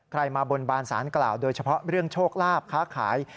มาบนบานสารกล่าวโดยเฉพาะเรื่องโชคลาภค้าขาย